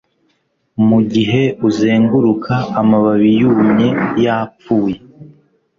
mugihe uzenguruka amababi yumye, yapfuye